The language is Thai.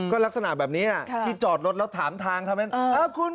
ก็ลักษณะแบบนี้ที่จอดรถแล้วถามทางเท่านั้น